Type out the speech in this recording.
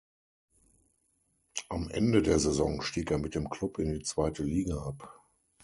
Am Ende der Saison stieg er mit dem Club in die zweite Liga ab.